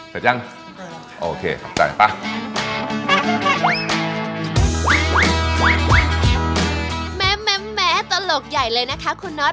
เสร็จยังโอเคครับใจป่ะแม่ตลกใหญ่เลยนะคะคุณนอท